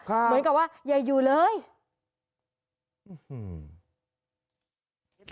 เหมือนกับว่าอย่าอยู่เลย